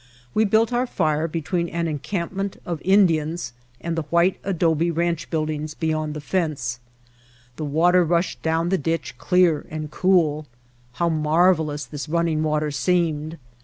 We built our fire between an encampment of Indians and the white adobe ranch buildings beyond the fence. The water rushed down the ditch, clear and cool. How marvelous this running water seemed!